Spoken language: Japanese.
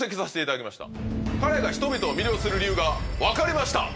彼が人々を魅了する理由が分かりました！